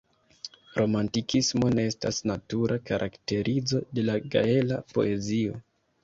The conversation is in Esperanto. Romantikismo ne estas natura karakterizo de la gaela poezio.